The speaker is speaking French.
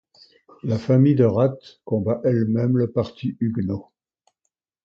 La famille de Ratte combat elle-même le parti huguenot.